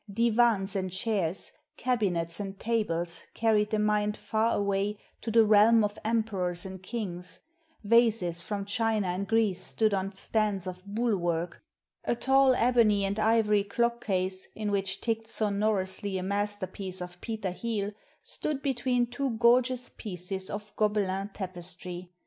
Divans and chairs, cabinets and tables carried the mind far away to the realm of emperors and kings; vases from China and Greece stood on stands of boule work; a tall ebony and ivory clock case, in which ticked sonorously a masterpiece of Peter Hele, stood between two gorgeous pieces of Gobelin tapestry.